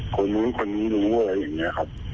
คนนู้นคนนี้รู้อะไรอย่างนี้ครับ